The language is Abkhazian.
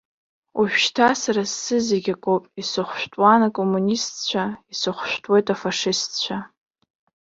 Ожәшьҭа сара сзы зегьы акоуп исхәышәтәуан акоммунистцәа, исхәышәтәуеит афашистцәа.